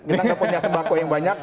kita nggak punya sembako yang banyak